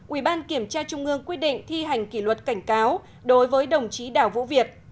ubktq quy định thi hành kỷ luật cảnh cáo đối với đồng chí đào vũ việt